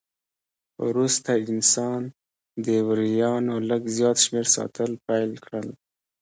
وروسته انسان د وریانو لږ زیات شمېر ساتل پیل کړل.